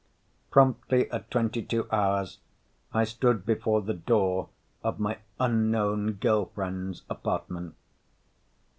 Promptly at twenty two hours I stood before the door of my unknown girl friend's apartment.